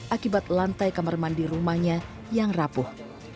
akibat lantai kamar mandi rumahnya yang rapuh